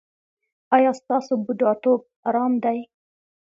ایا ستاسو بوډاتوب ارام دی؟